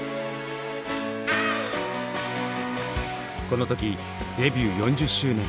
この時デビュー４０周年。